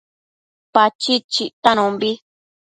Pachid chictanombi